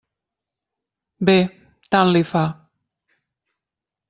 Bé, tant li fa.